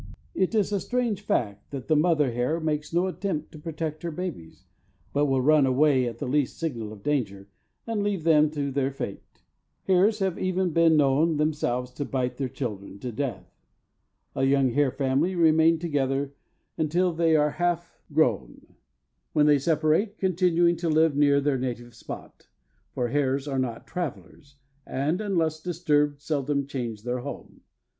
It is a strange fact that the mother hare makes no attempt to protect her babies, but will run away at the least signal of danger, and leave them to their fate. Hares have even been known themselves to bite their children to death. A young hare family remain together until they are half grown, when they separate, continuing to live near their native spot, for hares are not travellers, and, unless disturbed, seldom change their home.